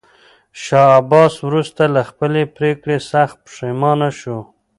شاه عباس وروسته له خپلې پرېکړې سخت پښېمانه شو.